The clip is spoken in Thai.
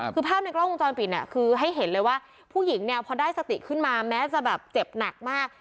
คือภาพในกล้องวงจรปิดคือให้เห็นเลยว่าผู้หญิงเนี่ยพอได้สติขึ้นมาแม้จะแบบเจ็บหนักมาก